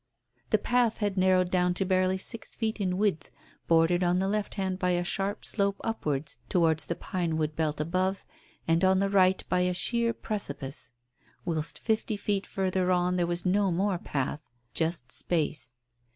The path had narrowed down to barely six feet in width, bordered on the left hand by a sharp slope upwards towards the pinewood belt above, and on the right by a sheer precipice; whilst fifty feet further on there was no more path just space.